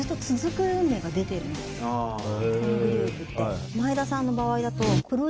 このグループって。